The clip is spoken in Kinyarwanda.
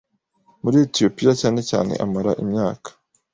muri Etiyopiyacyane cyane amara imyaka